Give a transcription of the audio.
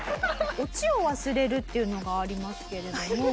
オチを忘れるっていうのがありますけれども。